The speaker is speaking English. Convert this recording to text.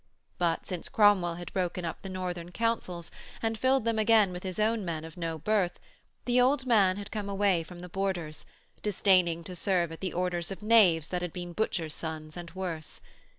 But since Cromwell had broken up the Northern Councils, and filled them again with his own men of no birth, the old man had come away from the Borders, disdaining to serve at the orders of knaves that had been butchers' sons and worse.